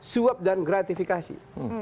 swap dan gratifikasi